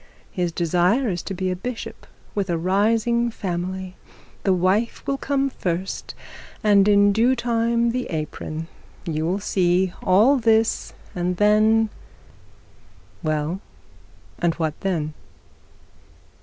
His desire is to be a bishop with a rising family, the wife will come first, and in due time the apron. You will see all this, and then ' 'Well, and what then?'